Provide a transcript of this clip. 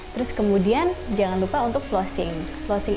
terus kemudian jangan lupa untuk closing